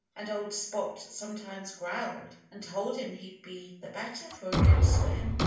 And old Spot sometimes growled and told him he'd be the better for a good swim.